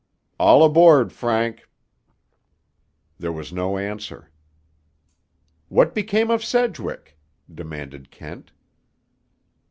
All aboard, Frank." There was no answer. "What became of Sedgwick?" demanded Kent.